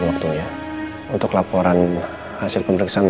jangan biar ada yang nang